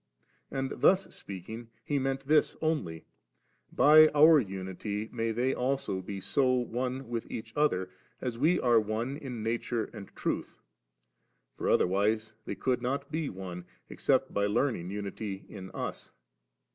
And thus spring, He meant this only, * By Our unity may they also be so one with each other, as We are one in nature and truth; for otherwise they could not be one, except by learning unity in Us.